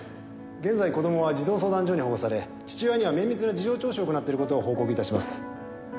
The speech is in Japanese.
現在子供は児童相談所に保護され父親には綿密な事情聴取を行っている事を報告致します。